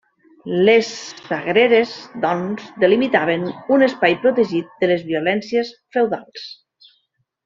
Les sagreres, doncs, delimitaven un espai protegit de les violències feudals.